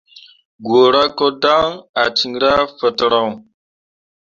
Guura ko dan ah cinra fatǝro.